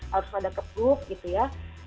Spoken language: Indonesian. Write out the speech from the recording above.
harus ada kepuk gitu ya